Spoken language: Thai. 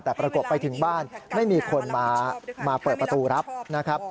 แต่ปรากฏไปถึงบ้านไม่มีคนมาเปิดประตูรับนะครับ